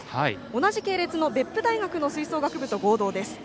同じ系列の別府大学の吹奏楽部と合同です。